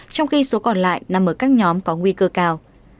trong khi số còn lại nằm ở các nhóm có nguy cơ cao